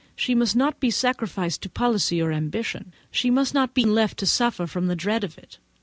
She must not be sacrificed to policy or ambition, and she must not be left to suffer from the dread of it.